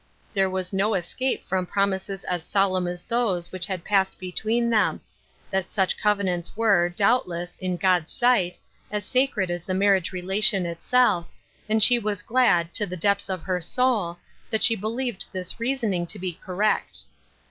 There was no escape from promises as solemn as those which had passed between them ; that such covenants were, doubtless, in God's sight, as sacred as the marriage relation itself, and she was glad, to the depths of her soul, that she believed this reasoning to be correct.